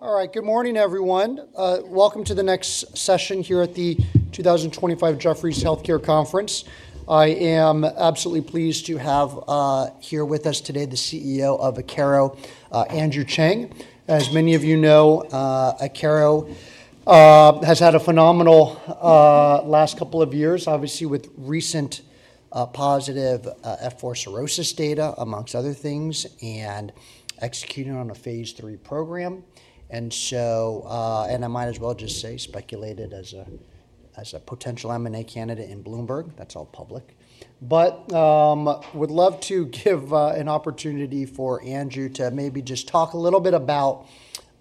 All right, good morning, everyone. Welcome to the next session here at the 2025 Jefferies Healthcare Conference. I am absolutely pleased to have here with us today the CEO of Akero, Andrew Cheng. As many of you know, Akero has had a phenomenal last couple of years, obviously with recent positive F4 cirrhosis data, among other things, and executing on a phase III program. I might as well just say, speculated as a potential M&A candidate in Bloomberg. That's all public. Would love to give an opportunity for Andrew to maybe just talk a little bit about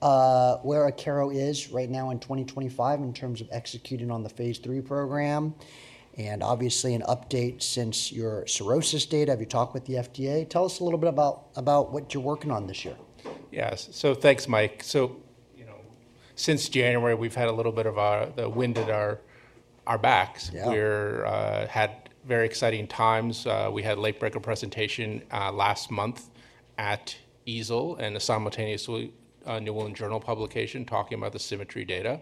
where Akero is right now in 2025 in terms of executing on the phase III program, and obviously an update since your cirrhosis data. Have you talked with the FDA? Tell us a little bit about what you're working on this year. Yes. So thanks, Mike. You know, since January, we've had a little bit of the wind at our backs. We had very exciting times. We had a late-breaker presentation last month at EASL and simultaneously a New England Journal publication talking about the SYMMETRY data.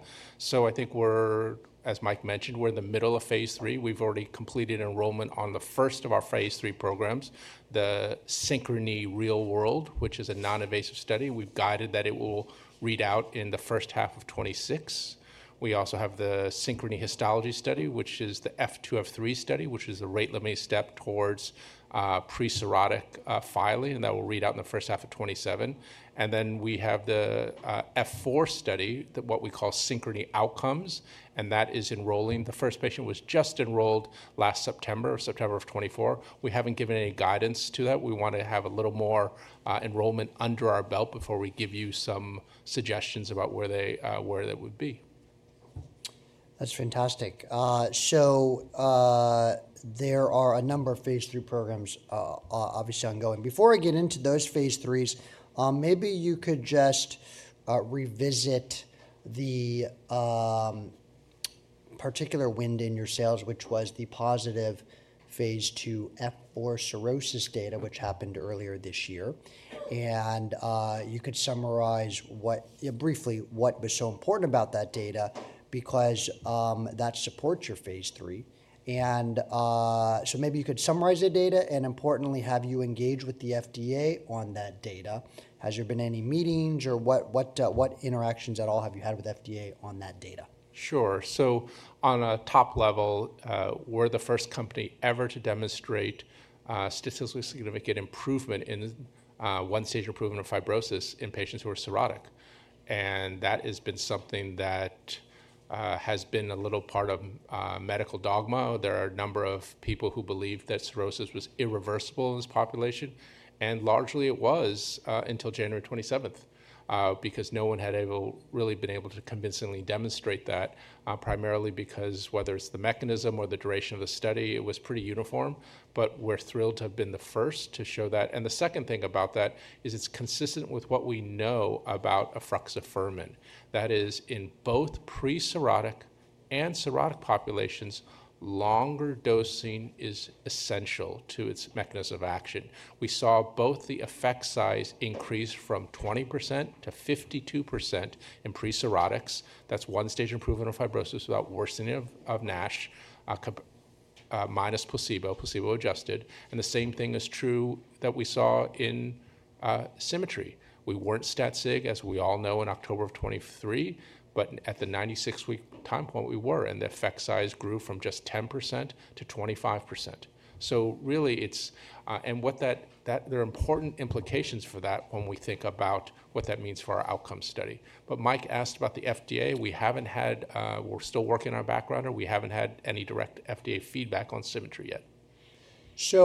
I think we're, as Mike mentioned, we're in the middle of phase III. We've already completed enrollment on the first of our phase III programs, the SYNCHRONY Real-World, which is a non-invasive study. We've guided that it will read out in the first half of 2026. We also have the SYNCHRONY Histology Study, which is the F2, F3 study, which is the rate limiting step towards pre-cirrhotic filing, and that will read out in the first half of 2027. We have the F4 study, what we call SYNCHRONY Outcomes, and that is enrolling. The first patient was just enrolled last September, September of 2024. We haven't given any guidance to that. We want to have a little more enrollment under our belt before we give you some suggestions about where that would be. That's fantastic. There are a number of phase III programs obviously ongoing. Before I get into those phase III, maybe you could just revisit the particular wind in your sails, which was the positive phase II F4 cirrhosis data, which happened earlier this year. You could summarize what, briefly, what was so important about that data because that supports your phase III. Maybe you could summarize the data and, importantly, have you engaged with the FDA on that data. Has there been any meetings or what interactions at all have you had with the FDA on that data? Sure. On a top level, we're the first company ever to demonstrate statistically significant improvement in one-stage improvement of fibrosis in patients who are cirrhotic. That has been something that has been a little part of medical dogma. There are a number of people who believe that cirrhosis was irreversible in this population. Largely it was until January 27th because no one had really been able to convincingly demonstrate that, primarily because whether it's the mechanism or the duration of the study, it was pretty uniform. We're thrilled to have been the first to show that. The second thing about that is it's consistent with what we know about efruxifermin. That is, in both pre-cirrhotic and cirrhotic populations, longer dosing is essential to its mechanism of action. We saw both the effect size increase from 20% to 52% in pre-cirrhotics. That's one-stage improvement of fibrosis without worsening of NASH, minus placebo, placebo-adjusted. The same thing is true that we saw in SYMMETRY. We weren't stat-sig, as we all know, in October of 2023, but at the 96-week time point, we were. The effect size grew from just 10% to 25%. Really, it's, and what that, there are important implications for that when we think about what that means for our outcome study. Mike asked about the FDA. We haven't had, we're still working on our background. We haven't had any direct FDA feedback on SYMMETRY yet. You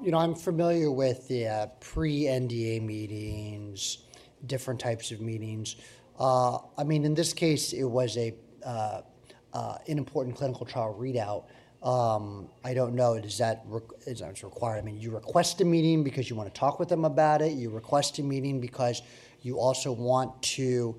know, I'm familiar with the pre-NDA meetings, different types of meetings. I mean, in this case, it was an important clinical trial readout. I don't know, is that required? I mean, you request a meeting because you want to talk with them about it. You request a meeting because you also want to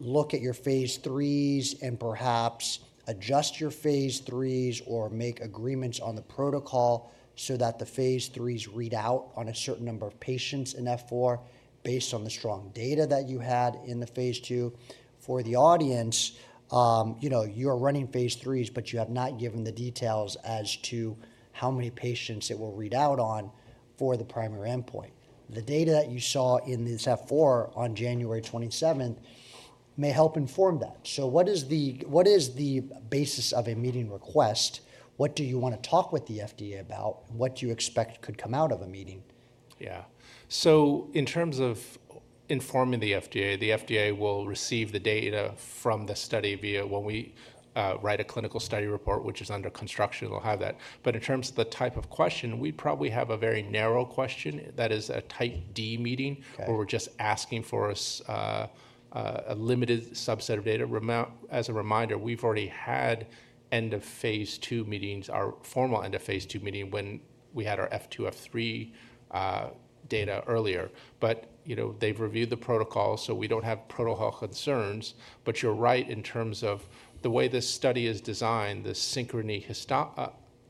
look at your phase III and perhaps adjust your phase III or make agreements on the protocol so that the phase IIIs read out on a certain number of patients in F4 based on the strong data that you had in the phase II. For the audience, you know, you are running phase III, but you have not given the details as to how many patients it will read out on for the primary endpoint. The data that you saw in this F4 on January 27th may help inform that. What is the basis of a meeting request? What do you want to talk with the FDA about? What do you expect could come out of a meeting? Yeah. In terms of informing the FDA, the FDA will receive the data from the study via when we write a clinical study report, which is under construction, we'll have that. In terms of the type of question, we probably have a very narrow question. That is a type D meeting where we're just asking for a limited subset of data. As a reminder, we've already had end-of-phase II meetings, our formal end-of-phase II meeting when we had our F2, F3 data earlier. You know, they've reviewed the protocol, so we don't have protocol concerns. You're right in terms of the way this study is designed, the Synchrony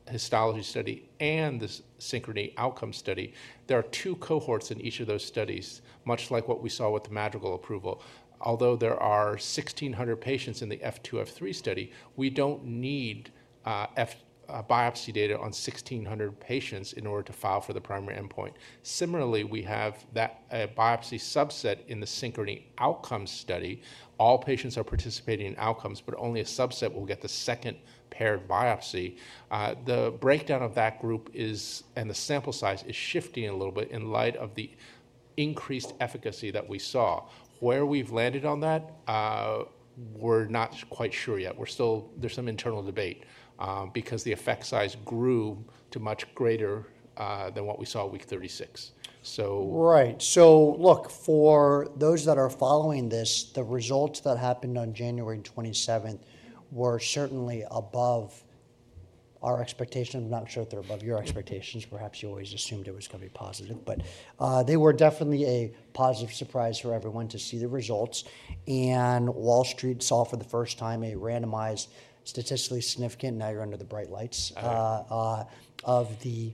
Histology Study and the Synchrony Outcome Study, there are two cohorts in each of those studies, much like what we saw with the Madrigal approval. Although there are 1,600 patients in the F2, F3 study, we do not need biopsy data on 1,600 patients in order to file for the primary endpoint. Similarly, we have that biopsy subset in the Synchrony Outcomes Study. All patients are participating in outcomes, but only a subset will get the second paired biopsy. The breakdown of that group is, and the sample size is shifting a little bit in light of the increased efficacy that we saw. Where we have landed on that, we are not quite sure yet. We are still, there is some internal debate because the effect size grew to much greater than what we saw week-36. So. Right. So look, for those that are following this, the results that happened on January 27th were certainly above our expectations. I'm not sure if they're above your expectations. Perhaps you always assumed it was going to be positive, but they were definitely a positive surprise for everyone to see the results. Wall Street saw for the first time a randomized statistically significant, now you're under the bright lights of the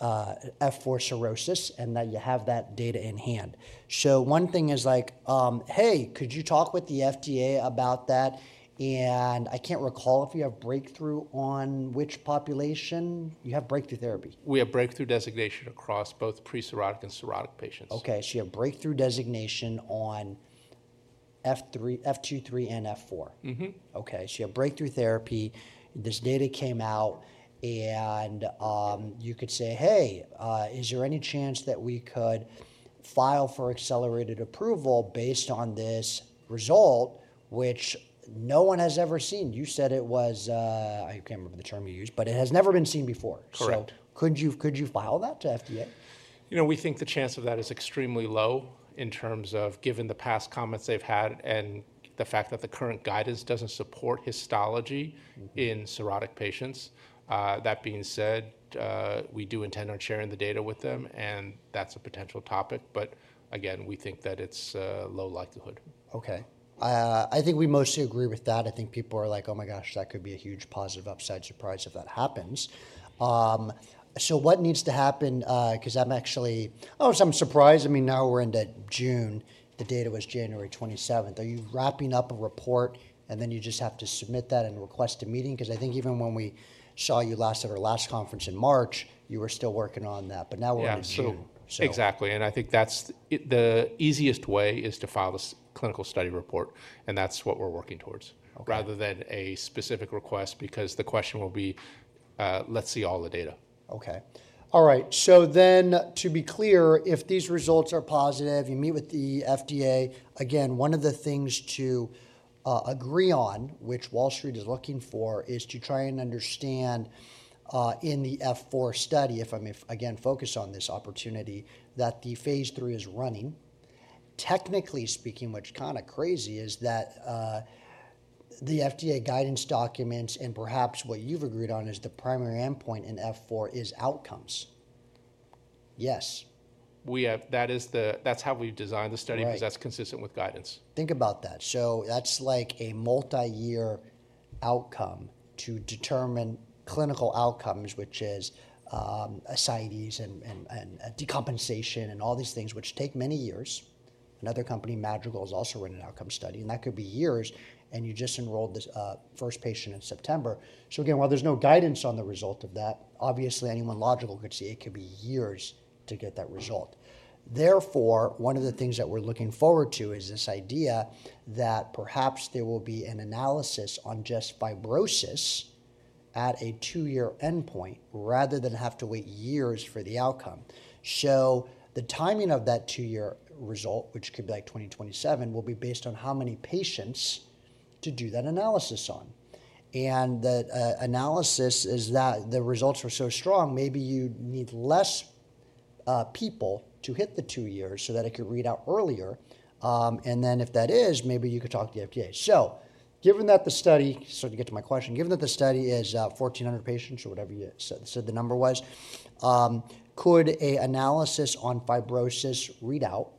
F4 cirrhosis and that you have that data in hand. One thing is like, hey, could you talk with the FDA about that? I can't recall if you have breakthrough on which population. You have breakthrough therapy. We have Breakthrough Therapy Designation across both pre-cirrhotic and cirrhotic patients. Okay. So you have breakthrough designation on F2, F3, and F4. Mm-hmm. Okay. So you have Breakthrough Therapy Designation. This data came out and you could say, hey, is there any chance that we could file for accelerated approval based on this result, which no one has ever seen? You said it was, I can't remember the term you used, but it has never been seen before. Correct. Could you file that to FDA? You know, we think the chance of that is extremely low in terms of given the past comments they've had and the fact that the current guidance doesn't support histology in cirrhotic patients. That being said, we do intend on sharing the data with them and that's a potential topic. Again, we think that it's low likelihood. Okay. I think we mostly agree with that. I think people are like, oh my gosh, that could be a huge positive upside surprise if that happens. What needs to happen? Because I'm actually, oh, I'm surprised. I mean, now we're into June. The data was January 27. Are you wrapping up a report and then you just have to submit that and request a meeting? I think even when we saw you last at our last conference in March, you were still working on that. Now we're in June. Yeah, absolutely. Exactly. I think that's the easiest way is to file this clinical study report. That's what we're working towards rather than a specific request because the question will be, let's see all the data. Okay. All right. To be clear, if these results are positive, you meet with the FDA. Again, one of the things to agree on, which Wall Street is looking for, is to try and understand in the F4 study, if I may again focus on this opportunity, that the phase III is running. Technically speaking, which is kind of crazy, is that the FDA guidance documents and perhaps what you've agreed on is the primary endpoint in F4 is outcomes. Yes. We have, that is the, that's how we've designed the study because that's consistent with guidance. Think about that. That's like a multi-year outcome to determine clinical outcomes, which is ascites and decompensation and all these things, which take many years. Another company, Madrigal, has also run an outcome study and that could be years. You just enrolled the First patient in September. Again, while there's no guidance on the result of that, obviously anyone logical could see it could be years to get that result. Therefore, one of the things that we're looking forward to is this idea that perhaps there will be an analysis on just fibrosis at a two-year endpoint rather than have to wait years for the outcome. The timing of that two-year result, which could be like 2027, will be based on how many patients to do that analysis on. The analysis is that the results are so strong, maybe you need fewer people to hit the two-years so that it could read out earlier. If that is, maybe you could talk to the FDA. Given that the study, to get to my question, given that the study is 1,400 patients or whatever you said the number was, could an analysis on fibrosis read out?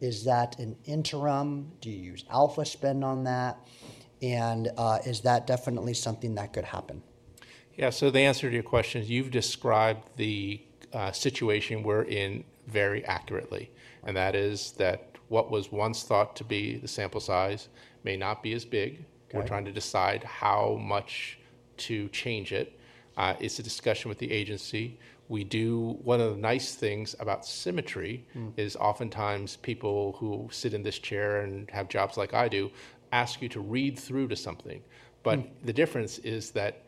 Is that an interim? Do you use alpha spend on that? Is that definitely something that could happen? Yeah. The answer to your question is you've described the situation we're in very accurately. That is that what was once thought to be the sample size may not be as big. We're trying to decide how much to change it. It's a discussion with the agency. One of the nice things about SYMMETRY is oftentimes people who sit in this chair and have jobs like I do ask you to read through to something. The difference is that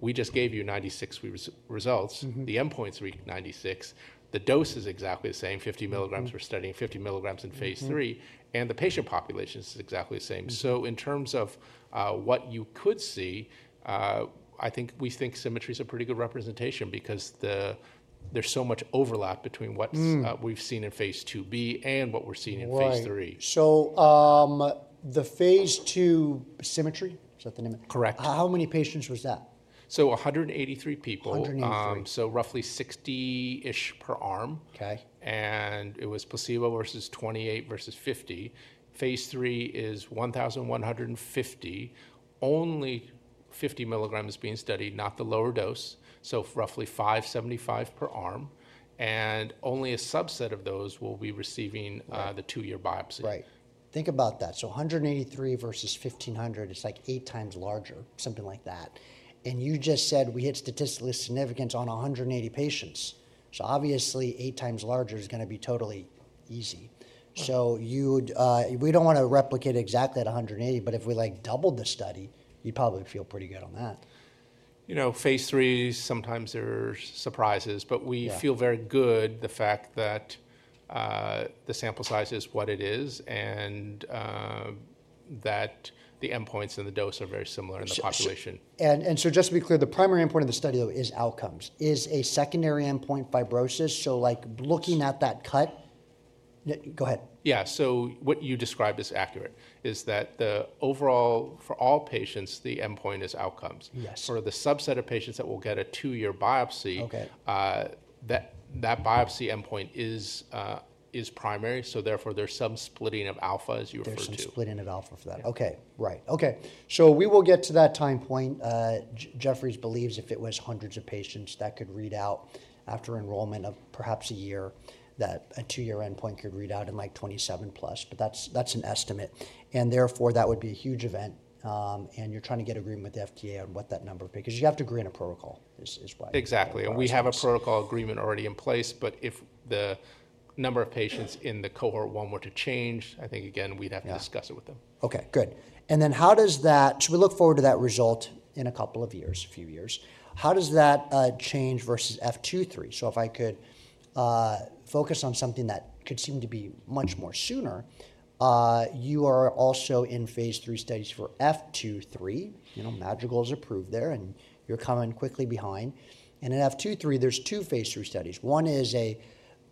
we just gave you 96 results. The endpoints read 96. The dose is exactly the same, 50 mg we're studying, 50 mg in phase III. The patient population is exactly the same. In terms of what you could see, I think we think SYMMETRY is a pretty good representation because there's so much overlap between what we've seen in phase IIb and what we're seeing in phase III. So the phase II SYMMETRY, is that the name? Correct. How many patients was that? So 183 people. 183. So roughly 60-ish per arm. Okay. It was placebo versus 28 versus 50. Phase III is 1,150, only 50 mg being studied, not the lower dose. So roughly 575 per-arm. Only a subset of those will be receiving the two-year biopsy. Right. Think about that. So 183 versus 1,500, it's like eight times larger, something like that. And you just said we hit statistically significant on 180 patients. Obviously eight times larger is going to be totally easy. You would, we do not want to replicate exactly at 180, but if we like doubled the study, you'd probably feel pretty good on that. You know, phase III, sometimes there are surprises, but we feel very good the fact that the sample size is what it is and that the endpoints and the dose are very similar in the population. Just to be clear, the primary endpoint of the study though is outcomes. Is a secondary endpoint fibrosis? Like looking at that cut, go ahead. Yeah. So what you described is accurate is that the overall for all patients, the endpoint is outcomes. Yes. For the subset of patients that will get a two-year biopsy, that biopsy endpoint is primary. Therefore, there's some splitting of alpha, as you referred to. There's some splitting of alpha for that. Okay. Right. Okay. We will get to that time point. Jefferies believes if it was hundreds of patients that could read out after enrollment of perhaps a year, that a two-year endpoint could read out in like 2027 plus, but that's an estimate. That would be a huge event. You are trying to get agreement with the FDA on what that number would be because you have to agree on a protocol is why. Exactly. We have a protocol agreement already in place, but if the number of patients in the cohort one were to change, I think again, we'd have to discuss it with them. Okay. Good. How does that, so we look forward to that result in a couple of years, a few years. How does that change versus F2, F3? If I could focus on something that could seem to be much more sooner, you are also in phase III studies for F2, F3. You know, Madrigal is approved there and you're coming quickly behind. In F2, F3, there are two phase III studies. One is an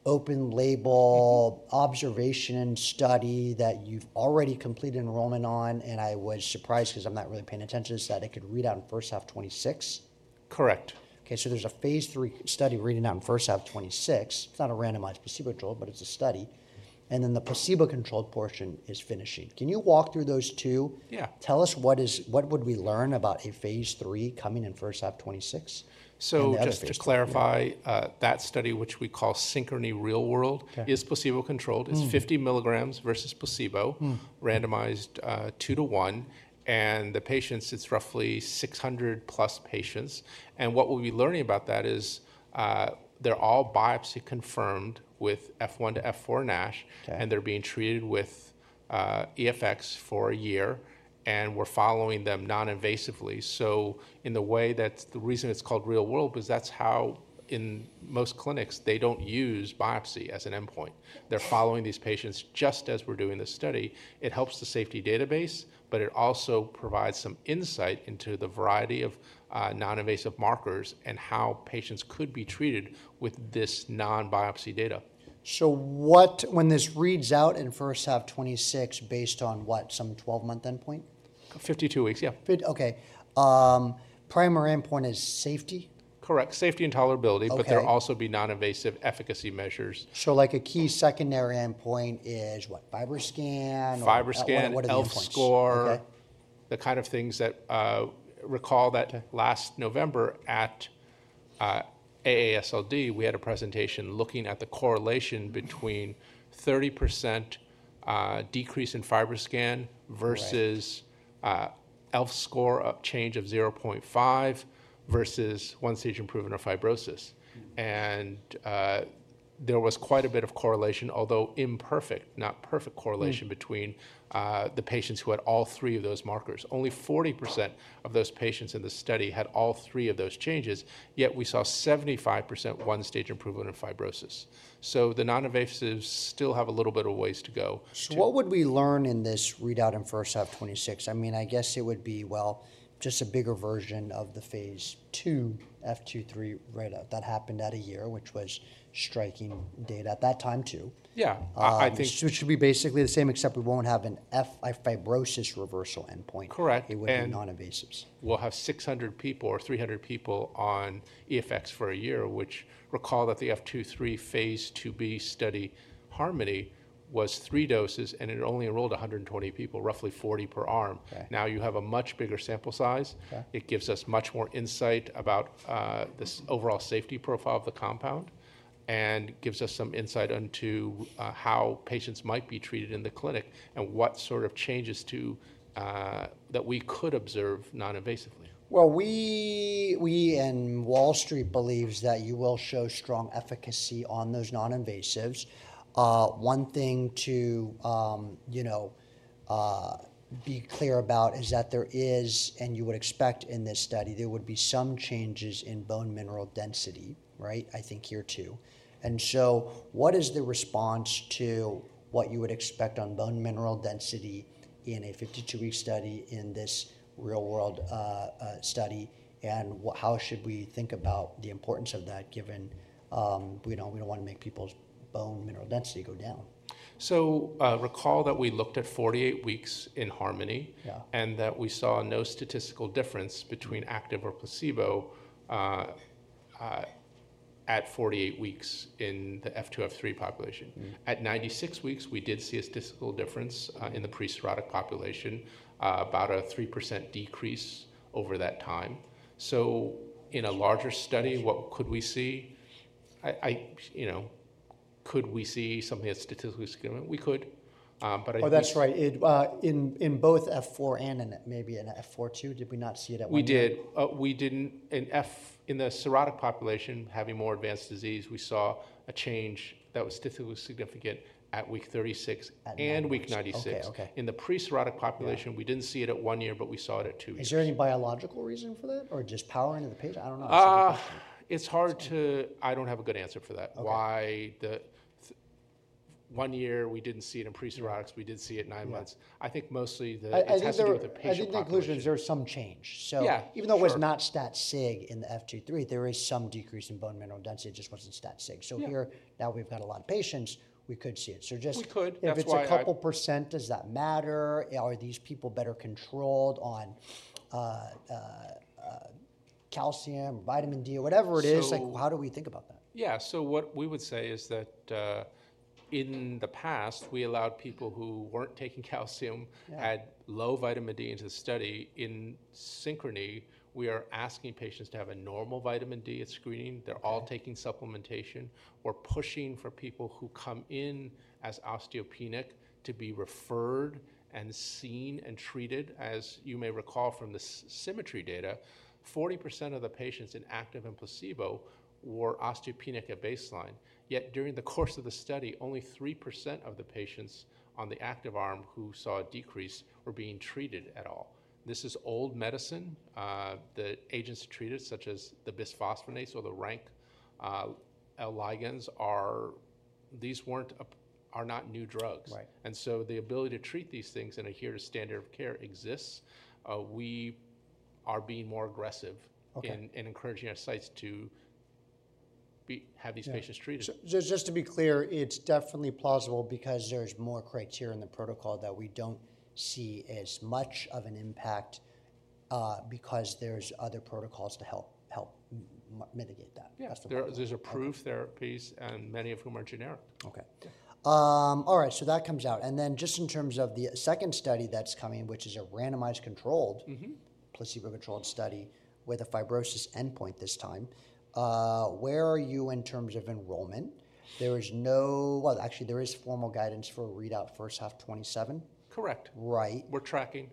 open label observation study that you've already completed enrollment on. I was surprised because I'm not really paying attention to this, that it could read out in first half 2026. Correct. Okay. So there's a phase III study reading out in first half 2026. It's not a randomized placebo controlled, but it's a study. And then the placebo controlled portion is finishing. Can you walk through those two? Yeah. Tell us what is, what would we learn about a phase III coming in first half 2026? Just to clarify, that study, which we call SYNCHRONY Real-World, is placebo controlled. It's 50 mg versus placebo, randomized two to one. The patients, it's roughly 600 plus patients. What we'll be learning about that is they're all biopsy confirmed with F1 to F4 NASH and they're being treated with EFX for a year. We're following them non-invasively. In the way, that's the reason it's called Real-World, because that's how in most clinics they don't use biopsy as an endpoint. They're following these patients just as we're doing this study. It helps the safety database, but it also provides some insight into the variety of non-invasive markers and how patients could be treated with this non-biopsy data. What, when this reads out in first half 2026, based on what, some 12-month endpoint? 52 weeks, yeah. Okay. Primary endpoint is safety? Correct. Safety and tolerability, but there'll also be non-invasive efficacy measures. Like a key secondary endpoint is what, FibroScan or what are the points? FibroScan, ELFScore. The kind of things that recall that last November at AASLD, we had a presentation looking at the correlation between 30% decrease in FibroScan versus ELFScore change of 0.5 versus one stage improvement of fibrosis. There was quite a bit of correlation, although imperfect, not perfect correlation between the patients who had all three of those markers. Only 40% of those patients in the study had all three of those changes, yet we saw 75% one stage improvement of fibrosis. The non-invasives still have a little bit of ways to go. What would we learn in this readout in first half 2026? I mean, I guess it would be, well, just a bigger version of the phase II F2, F3 readout that happened at a year, which was striking data at that time too. Yeah. I think. Which would be basically the same, except we won't have an F fibrosis reversal endpoint. Correct. It would be non-invasives. We'll have 600 people or 300 people on EFX for a year, which recall that the F2, F3 phase IIb study HARMONY was three doses and it only enrolled 120 people, roughly 40 per-arm. Now you have a much bigger sample size. It gives us much more insight about this overall safety profile of the compound and gives us some insight into how patients might be treated in the clinic and what sort of changes to that we could observe non-invasively. We and Wall Street believe that you will show strong efficacy on those non-invasives. One thing to, you know, be clear about is that there is, and you would expect in this study, there would be some changes in bone mineral density, right? I think here too. What is the response to what you would expect on bone mineral density in a 52-week study in this Real World study? How should we think about the importance of that given, you know, we do not want to make people's bone mineral density go down? Recall that we looked at 48-weeks in HARMONY and that we saw no statistical difference between active or placebo at 48-weeks in the F2, F3 population. At 96--weeks, we did see a statistical difference in the pre-cirrhotic population, about a 3% decrease over that time. In a larger study, what could we see? I, you know, could we see something that's statistically significant? We could. Oh, that's right. In both F4 and maybe in F4, F2, did we not see it at one point? We did. We didn't. In the cirrhotic population, having more advanced disease, we saw a change that was statistically significant at week-36 and week-96. In the pre-cirrhotic population, we didn't see it at one year, but we saw it at two years. Is there any biological reason for that or just powering of the page? I don't know. It's hard to, I don't have a good answer for that. Why the one year we didn't see it in pre-cirrhotics, we did see it nine months. I think mostly the history of the patient. I think the conclusion is there's some change. Even though it was not stat-sig in the F2, F3, there is some decrease in bone mineral density. It just was not stat-sig. Here now we've got a lot of patients, we could see it. If it's a couple %, does that matter? Are these people better controlled on calcium or vitamin D or whatever it is? Like how do we think about that? Yeah. What we would say is that in the past, we allowed people who weren't taking calcium, had low vitamin D, into the study. In Synchrony, we are asking patients to have a normal vitamin D at screening. They're all taking supplementation. We're pushing for people who come in as osteopenic to be referred and seen and treated. As you may recall from the SYMMETRY data, 40% of the patients in active and placebo were osteopenic at baseline. Yet during the course of the study, only 3% of the patients on the active arm who saw a decrease were being treated at all. This is old medicine. The agents treated, such as the bisphosphonates or the RANK ligands, these are not new drugs. The ability to treat these things and adhere to standard of care exists. We are being more aggressive in encouraging our sites to have these patients treated. Just to be clear, it's definitely plausible because there's more criteria in the protocol that we don't see as much of an impact because there's other protocols to help mitigate that. Yeah. There are approved therapies and many of whom are generic. Okay. All right. So that comes out. And then just in terms of the second study that's coming, which is a randomized controlled placebo-controlled study with a fibrosis endpoint this time, where are you in terms of enrollment? There is no, well, actually there is formal guidance for readout first half 2027. Correct. Right. We're tracking.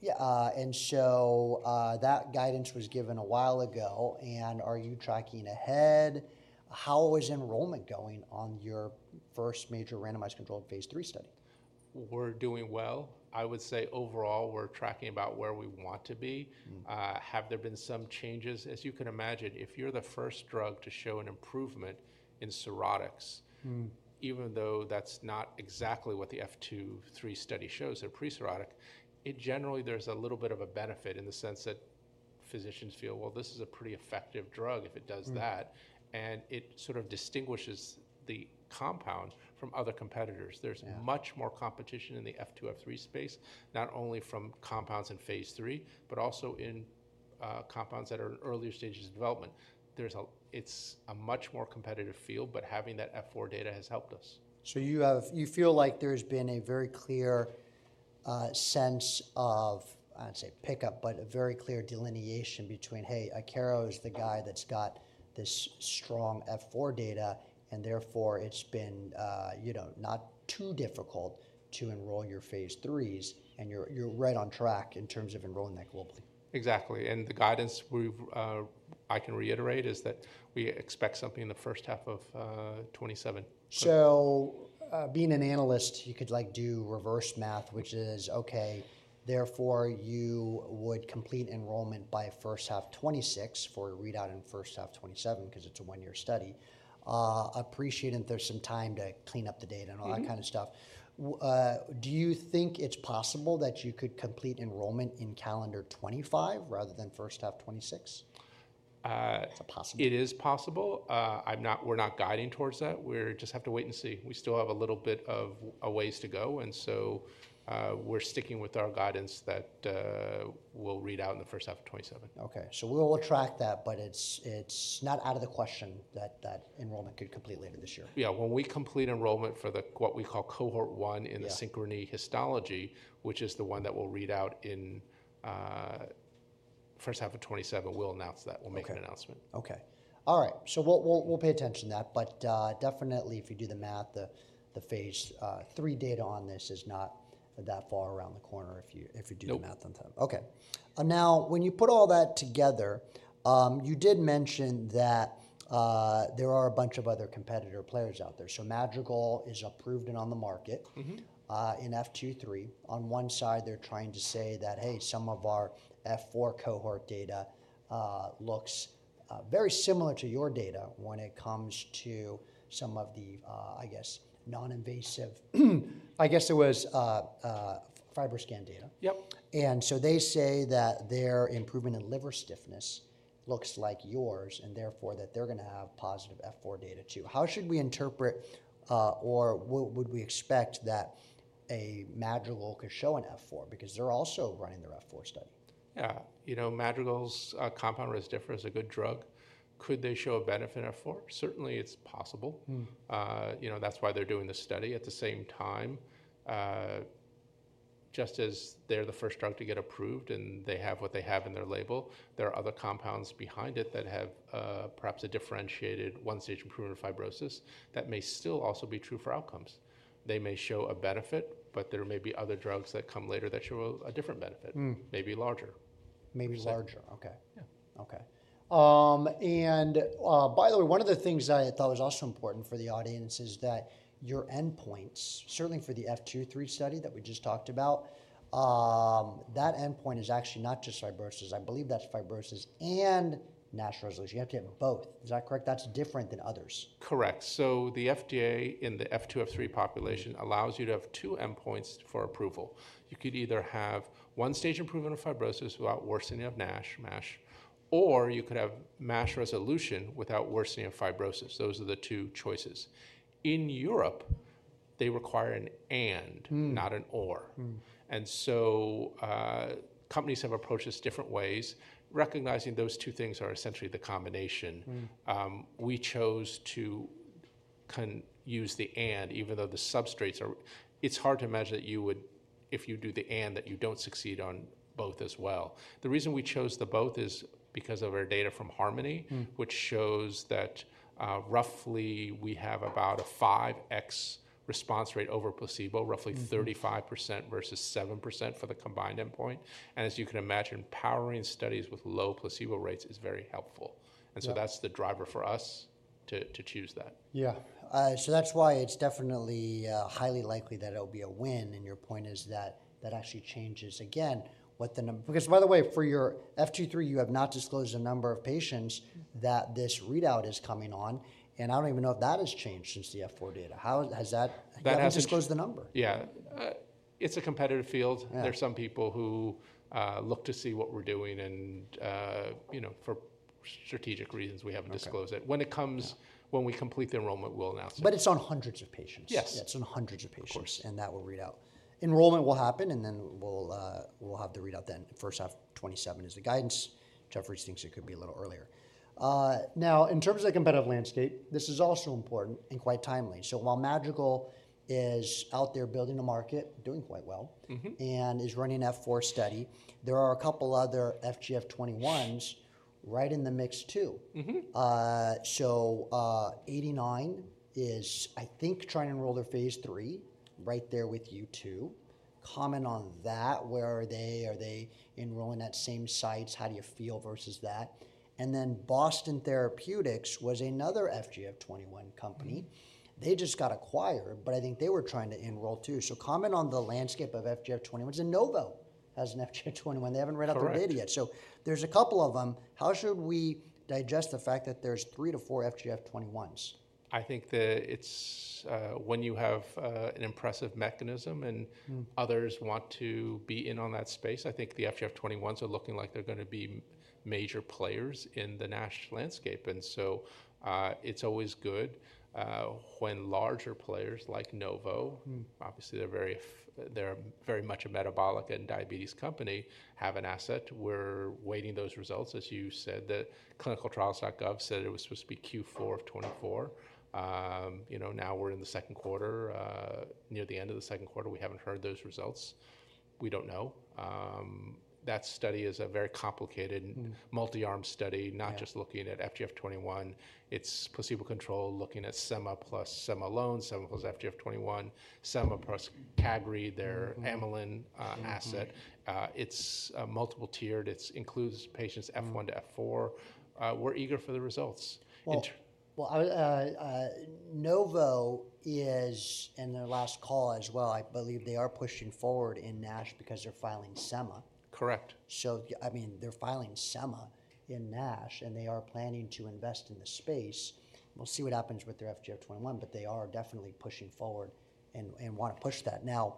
Yeah. That guidance was given a while ago. Are you tracking ahead? How is enrollment going on your first major randomized controlled phase III study? We're doing well. I would say overall we're tracking about where we want to be. Have there been some changes? As you can imagine, if you're the first drug to show an improvement in cirrhotics, even though that's not exactly what the F, F3 study shows in pre-cirrhotic, it generally there's a little bit of a benefit in the sense that physicians feel, well, this is a pretty effective drug if it does that. It sort of distinguishes the compound from other competitors. There's much more competition in the F2, F3 space, not only from compounds in phase III, but also in compounds that are in earlier stages of development. It's a much more competitive field, but having that F4 data has helped us. You feel like there's been a very clear sense of, I don't want to say pickup, but a very clear delineation between, hey, Akero is the guy that's got this strong F4 data and therefore it's been, you know, not too difficult to enroll your phase III and you're right on track in terms of enrolling that globally. Exactly. The guidance I can reiterate is that we expect something in the first half of 2027. Being an analyst, you could like do reverse math, which is okay, therefore you would complete enrollment by first half 2026 for a readout in first half 2027 because it is a one-year study. Appreciating there is some time to clean up the data and all that kind of stuff. Do you think it is possible that you could complete enrollment in calendar 2025 rather than first half 2026? It is a possibility. It is possible. We're not guiding towards that. We just have to wait and see. We still have a little bit of ways to go. We're sticking with our guidance that we'll read out in the first half of 2027. Okay. So we'll track that, but it's not out of the question that enrollment could complete later this year. Yeah. When we complete enrollment for what we call cohort one in the Synchrony Histology, which is the one that will read out in first half of 2027, we'll announce that. We'll make an announcement. Okay. All right. So we'll pay attention to that. Definitely if you do the math, the phase III data on this is not that far around the corner if you do the math on time. Okay. Now when you put all that together, you did mention that there are a bunch of other competitor players out there. Madrigal is approved and on the market in F2, F3. On one side, they're trying to say that, hey, some of our F4 cohort data looks very similar to your data when it comes to some of the, I guess, non-invasive, I guess it was FibroScan data. Yep. They say that their improvement in liver stiffness looks like yours and therefore that they're going to have positive F4 data too. How should we interpret or would we expect that a Madrigal could show an F4 because they're also running their F4 study? Yeah. You know, Madrigal's compound resmetirom is a good drug. Could they show a benefit in F4? Certainly it's possible. You know, that's why they're doing the study. At the same time, just as they're the first drug to get approved and they have what they have in their label, there are other compounds behind it that have perhaps a differentiated one stage improvement of fibrosis that may still also be true for outcomes. They may show a benefit, but there may be other drugs that come later that show a different benefit, maybe larger. Maybe larger. Okay. Okay. By the way, one of the things I thought was also important for the audience is that your endpoints, certainly for the F2, F3 study that we just talked about, that endpoint is actually not just fibrosis. I believe that is fibrosis and MASH resolution. You have to have both. Is that correct? That is different than others. Correct. The FDA in the F2, F3 population allows you to have two endpoints for approval. You could either have one stage improvement of fibrosis without worsening of NASH, MASH, or you could have MASH resolution without worsening of fibrosis. Those are the two choices. In Europe, they require an and, not an or. Companies have approached this different ways, recognizing those two things are essentially the combination. We chose to use the and, even though the substrates are, it's hard to imagine that you would, if you do the and, that you do not succeed on both as well. The reason we chose the both is because of our data from HARMONY, which shows that roughly we have about a 5x response rate over placebo, roughly 35% versus 7% for the combined endpoint. As you can imagine, powering studies with low placebo rates is very helpful. That is the driver for us to choose that. Yeah. That is why it is definitely highly likely that it will be a win. Your point is that that actually changes again what the number is, because by the way, for your F2, `F3, you have not disclosed a number of patients that this readout is coming on. I do not even know if that has changed since the F4 data. How has that disclosed the number? Yeah. It's a competitive field. There's some people who look to see what we're doing and, you know, for strategic reasons, we haven't disclosed it. When it comes, when we complete the enrollment, we'll announce it. It's on hundreds of patients. Yes. It's on hundreds of patients. Of course. That will read out. Enrollment will happen and then we'll have the readout then. First half 2027 is the guidance. Jefferies thinks it could be a little earlier. In terms of the competitive landscape, this is also important and quite timely. While Madrigal is out there building a market, doing quite well and is running an F4 study, there are a couple other FGF21 right in the mix too. 89-bio is, I think, trying to enroll their phase III right there with you too. Comment on that. Where are they? Are they enrolling at same sites? How do you feel versus that? Boston Therapeutics was another FGF21 company. They just got acquired, but I think they were trying to enroll too. Comment on the landscape of FGF21. Novo has an FGF21. They have not read out their data yet. There's a couple of them. How should we digest the fact that there's three to four FGF21? I think that it's when you have an impressive mechanism and others want to be in on that space. I think the FGF21s are looking like they're going to be major players in the NASH landscape. It is always good when larger players like Novo, obviously they're very much a metabolic and diabetes company, have an asset. We're waiting those results. As you said, the clinicaltrials.gov said it was supposed to be Q4 of 2024. You know, now we're in the second quarter, near the end of the second quarter. We haven't heard those results. We don't know. That study is a very complicated multi-arm study, not just looking at FGF21. It's placebo control, looking at SEMA plus SEMA alone, SEMA plus FGF21, SEMA plus CAGRI, their amylin asset. It's multiple tiered. It includes patients F1 to F4. We're eager for the results. Novo is in their last call as well. I believe they are pushing forward in NASH because they're filing SEMA. Correct. So I mean, they're filing SEMA in NASH and they are planning to invest in the space. We'll see what happens with their FGF21, but they are definitely pushing forward and want to push that. Now,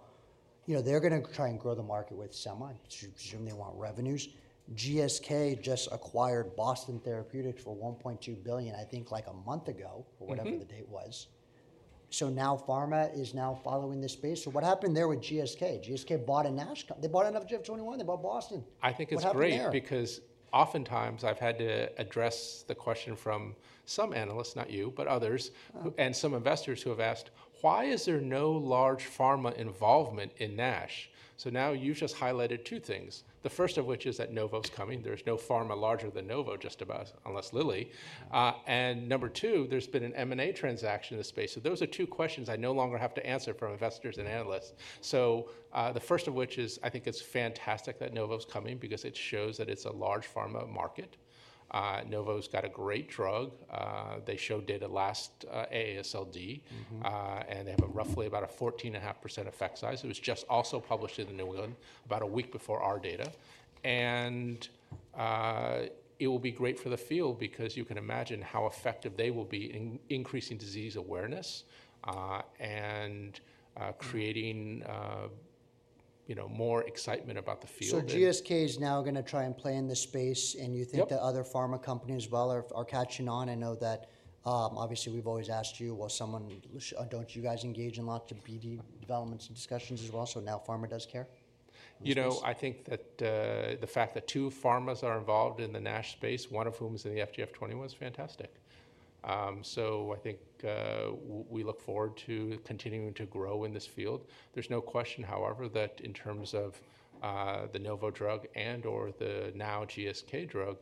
you know, they're going to try and grow the market with SEMA. I assume they want revenues. GSK just acquired Boston Therapeutics for 1.2 billion, I think like a month ago or whatever the date was. Now Pharma is now following this space. What happened there with GSK? GSK bought a NASH. They bought an FGF21. They bought Boston. I think it's great because oftentimes I've had to address the question from some analysts, not you, but others, and some investors who have asked, why is there no large Pharma involvement in NASH? Now you just highlighted two things. The first of which is that Novo's coming. There's no Pharma larger than Novo, just about, unless Lilly. Number two, there's been an M&A transaction in the space. Those are two questions I no longer have to answer from investors and analysts. The first of which is, I think it's fantastic that Novo's coming because it shows that it's a large Pharma market. Novo's got a great drug. They showed data last AASLD and they have a roughly about a 14.5% effect size. It was just also published in The New England about a week before our data. It will be great for the field because you can imagine how effective they will be in increasing disease awareness and creating, you know, more excitement about the field. GSK is now going to try and play in the space and you think that other Pharma companies as well are catching on. I know that obviously we've always asked you, well, don't you guys engage in lots of BD developments and discussions as well? Now Pharma does care? You know, I think that the fact that two pharmas are involved in the NASH space, one of whom is in the FGF21, is fantastic. So I think we look forward to continuing to grow in this field. There's no question, however, that in terms of the Novo drug and/or the now GSK drug,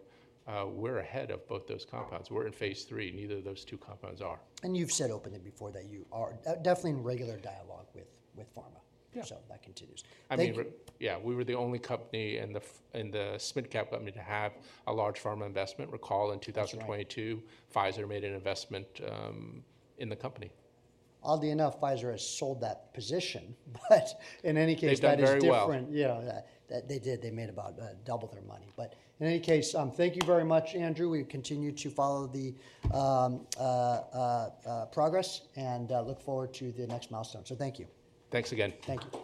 we're ahead of both those compounds. We're in phase III. Neither of those two compounds are. You've said openly before that you are definitely in regular dialogue with Pharma. That continues. I mean, yeah, we were the only company in the midcap company to have a large pharma investment. Recall in 2022, Pfizer made an investment in the company. Oddly enough, Pfizer has sold that position, but in any case, that is different. They did very well. You know, they did. They made about double their money. In any case, thank you very much, Andrew. We continue to follow the progress and look forward to the next milestone. Thank you. Thanks again. Thank you.